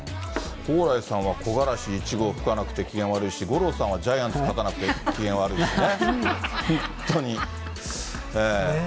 蓬莱さんは、木枯らし１号吹かなくて、機嫌悪いし、五郎さんはジャイアンツ勝たなくて機嫌悪いしね。